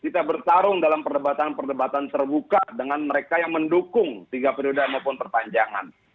kita bertarung dalam perdebatan perdebatan terbuka dengan mereka yang mendukung tiga periode maupun perpanjangan